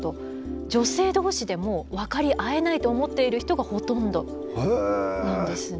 女性どうしでも分かり合えないと思っている人がほとんどなんですね。